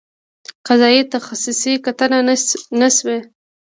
قضیې تخصصي کتنه نه شوې.